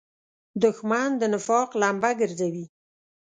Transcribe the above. دښمن د نفاق لمبه ګرځوي